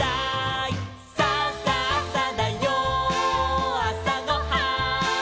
「さあさあさだよあさごはん」